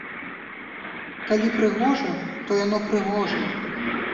Калі прыгожа, то яно прыгожа!